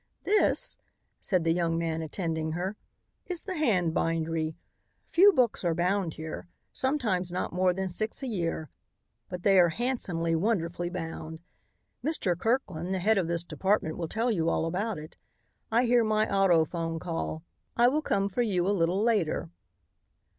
"This," said the young man attending her, "is the hand bindery. Few books are bound here; sometimes not more than six a year, but they are handsomely, wonderfully bound. Mr. Kirkland, the head of this department, will tell you all about it. I hear my autophone call. I will come for you a little later."